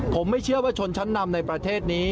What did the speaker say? ผมไม่เชื่อว่าชนชั้นนำในประเทศนี้